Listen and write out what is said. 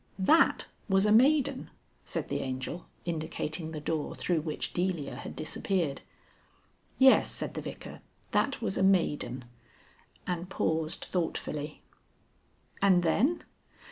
"That was a maiden?" said the Angel, indicating the door through which Delia had disappeared. "Yes," said the Vicar, "that was a maiden." And paused thoughtfully. "And then?"